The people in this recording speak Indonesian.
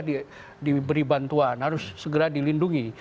diberi bantuan harus segera dilindungi